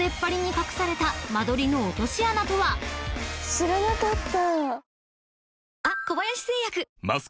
知らなかった。